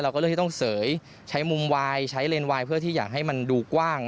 ก็เลือกที่ต้องเสยใช้มุมวายใช้เลนวายเพื่อที่อยากให้มันดูกว้าง